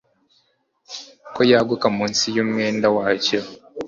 Ko yaguka munsi yumwenda wacyo